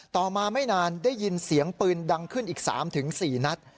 ต่อมาไม่นานได้ยินเสียงปืนดังขึ้นอีก๓๔นัด